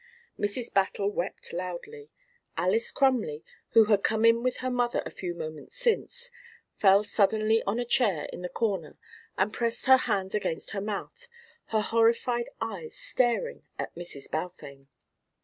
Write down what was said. Mrs. Battle wept loudly; Alys Crumley, who had come in with her mother a few moments since, fell suddenly on a chair in the corner and pressed her hands against her mouth, her horrified eyes staring at Mrs. Balfame.